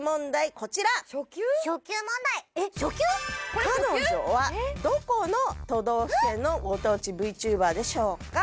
彼女はどこの都道府県のご当地ＶＴｕｂｅｒでしょうか？